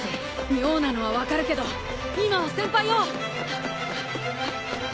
妙なのは分かるけど今は先輩を！